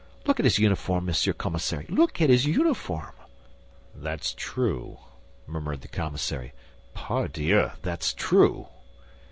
Look at his uniform, Monsieur Commissary, look at his uniform!" "That's true," murmured the commissary; "pardieu, that's true."